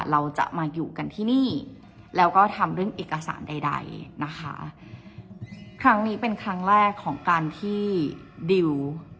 เราจะมาอยู่กันที่นี่แล้วก็ทำเรื่องเอกสารใดใดนะคะครั้งนี้เป็นครั้งแรกของการที่ดิว